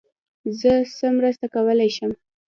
زه څه مرسته کولای سم.